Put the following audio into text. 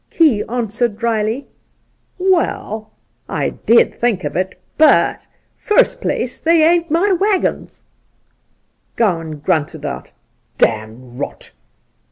Key answered dryly :' Waal, I did think of it ; but, first place, they ain't my waggons ' Gowan grunted out, ' Dam rot